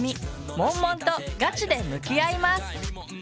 モンモンとガチで向き合います。